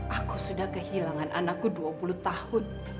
aku sudah kehilangan anakku dua puluh tahun